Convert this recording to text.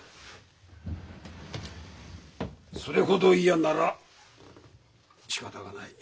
それほど嫌ならしかたがない。